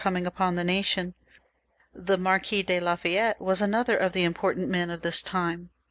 coming upon the nation. The Count of Lafayette was an other of the important men of this time.